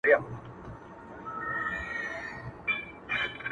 مور چي ژړيږي زوی يې تللی د کلو په سفر!!